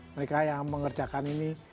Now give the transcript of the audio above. mereka yang mengerjakan ini